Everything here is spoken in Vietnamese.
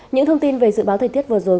những thông tin về dự báo thời tiết vừa rồi